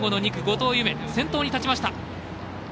２区の後藤夢先頭に立ちました。